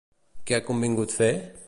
Què ha convingut fer?